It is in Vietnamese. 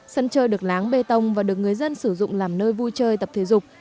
sân chơi được láng bê tông và được người dân sử dụng làm nơi vui chơi tập thể dục